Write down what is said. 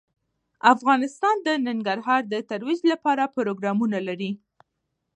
افغانستان د ننګرهار د ترویج لپاره پروګرامونه لري.